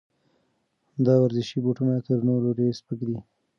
دا ورزشي بوټونه تر نورو ډېر سپک دي.